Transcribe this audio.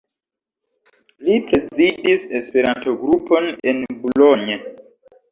Li prezidis Esperanto-grupon en Boulogne.